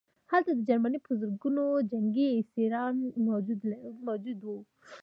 هلته د جرمني په زرګونه جنګي اسیران موجود وو